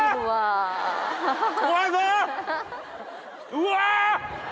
うわ！